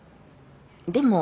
でも。